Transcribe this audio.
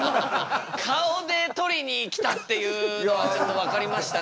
顔で取りにきたっていうのはちょっと分かりましたね。